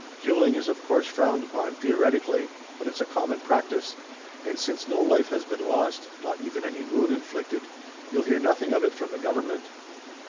"Dueling is of course frowned upon theoretically, but it's a common practice, and since no life has been lost, not even any wound inflicted, you'll hear nothing of it from the government.